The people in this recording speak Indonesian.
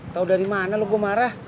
tau dari mana lo gue marah